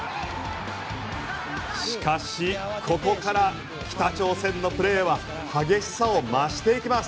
しかしここから北朝鮮のプレーは激しさを増していきます。